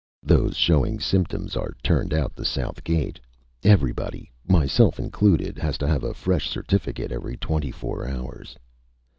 Those showing symptoms are turned out the south gate. Everybody, myself included, has to have a fresh certificate every twenty four hours."